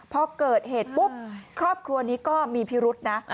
พอเกิดเหตุปุ๊บครอบครัวนี้ก็มีพิรุษนะ